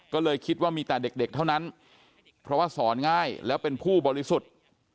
ก็เลยคิดว่ามีแต่เด็กเท่านั้นเพราะว่าสอนง่ายแล้วเป็นผู้บริสุทธิ์